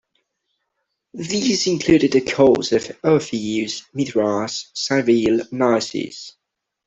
These included the cults of Orpheus, Mithras, Cybele, and Isis.